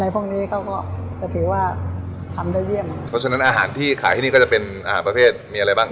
เพราะฉะนั้นอาหารที่ขายที่นี่ก็จะเป็นอาหารประเภทมีอะไรบ้าง